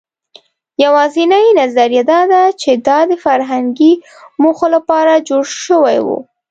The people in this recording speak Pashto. یواځینۍ نظریه دا ده، چې دا د فرهنګي موخو لپاره جوړ شوي وو.